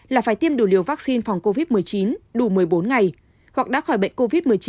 là phải tiêm đủ liều vaccine phòng covid một mươi chín đủ một mươi bốn ngày hoặc đã khỏi bệnh covid một mươi chín